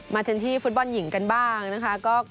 มาเถินที่ฟุตบอลหญิงกันบ้างนะครับ